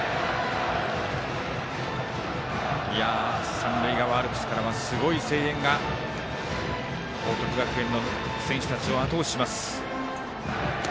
三塁側アルプスからはすごい声援が報徳学園の選手たちをあと押しします。